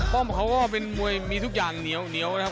ป้อมเขาก็เป็นมวยมีทุกอย่างเหนียวนะครับ